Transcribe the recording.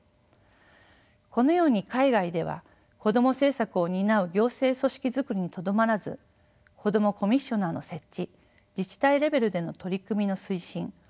このように海外ではこども政策を担う行政組織づくりにとどまらず子どもコミッショナーの設置自治体レベルでの取り組みの推進